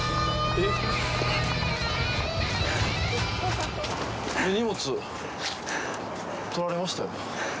え荷物とられましたよ